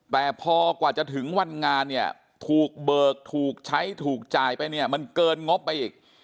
แต่พอกว่าจะถึงวันงานเนี่ยถูกเบิกถูกใช้ถูกจ่ายไปเนี่ยมันเกินงบไปอีก